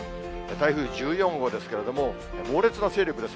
台風１４号ですけれども、猛烈な勢力です。